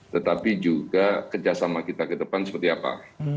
tetapi juga kerjasama kita ke depan seperti apa